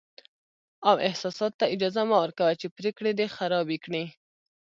او احساساتو ته اجازه مه ورکوه چې پرېکړې دې خرابې کړي.